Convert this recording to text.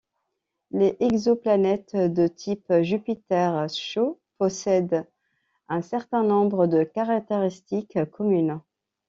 Les exoplanètes de type Jupiter chaud possèdent un certain nombre de caractéristiques communes.